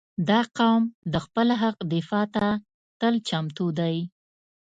• دا قوم د خپل حق دفاع ته تل چمتو دی.